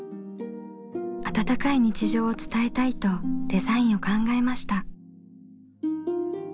温かい日常を伝えたいとデザインを考えました。